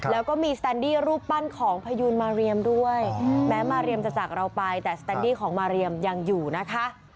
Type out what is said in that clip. แล้วก็มีสแตนดี้รูปปั้นของพยูนมาเรียมด้วยแม้มาเรียมจะจากเราไปแต่สแตนดี้ของมาเรียมยังอยู่นะคะ